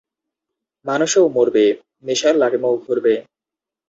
মানুষও মরবে, নেশার লাটিমও ঘুরবে